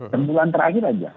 kemudian terakhir aja